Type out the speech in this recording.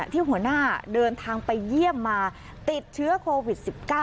ที่หัวหน้าเดินทางไปเยี่ยมมาติดเชื้อโควิด๑๙